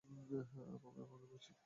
আপা, আমি অপেক্ষা করছি।